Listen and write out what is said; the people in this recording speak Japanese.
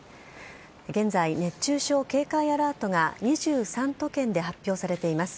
現在、熱中症警戒アラートが２３都県で発表されています。